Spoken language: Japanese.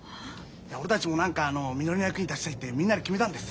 いや俺たちも何かみのりの役に立ちたいってみんなで決めたんです。